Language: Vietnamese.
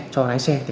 cho lái xe